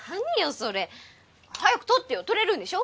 それ早く取ってよ取れるんでしょ？